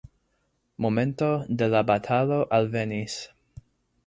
Momento de la batalo alvenis.